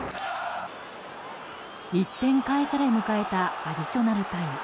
１点返され迎えたアディショナルタイム。